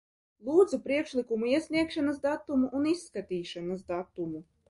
Lūdzu priekšlikumu iesniegšanas datumu un izskatīšanas datumu.